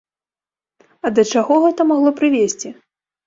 А да чаго гэта магло прывесці?